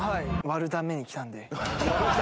割るために来たんで。